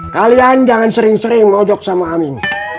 kalian jangan sering sering modok sama amin